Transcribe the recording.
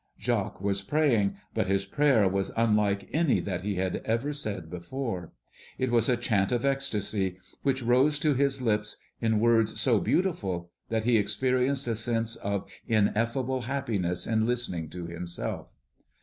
Jacques was praying, but his prayer was unlike any that he had ever said before. It was a chant of ecstasy, which rose to his lips in words so beautiful that he experienced a sense of ineffable happiness in listening to himself.